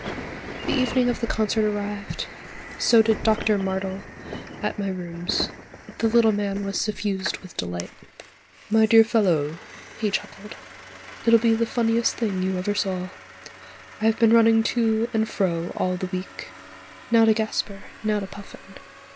The evening of the concert arrived: so did Doctor Martel at my rooms: the little man was suffused with delight. "My dear fellow!" he chuckled, "it'll be the funniest thing you ever saw. I've been running to and fro all the week. Now to Gasper, now to Puffin.